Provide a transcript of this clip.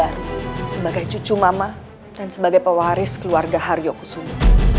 abi harus memulai hidup baru sebagai cucu mama dan sebagai pewaris keluarga hario kusuwa